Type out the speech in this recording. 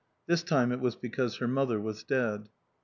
This time it was because her mother was dead.